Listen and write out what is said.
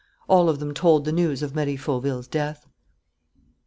All of them told the news of Marie Fauville's death.